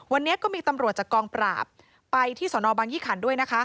วันนี้ก็มีตำรวจจากกองปราบไปที่สนบางยี่ขันด้วยนะคะ